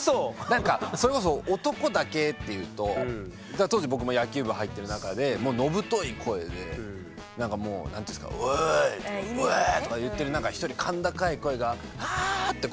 なんかそれこそ男だけっていうと当時僕も野球部入ってる中で野太い声でなんかもうなんていうんですか「おい！」とか「おお！」とか言ってる中１人甲高い声が「ああ！」って